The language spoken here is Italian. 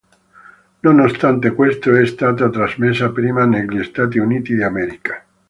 Nonostante questo, è stata trasmessa prima negli Stati Uniti d'America.